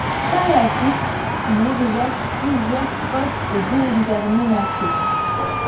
Par la suite, il exerce plusieurs postes gouvernementaux.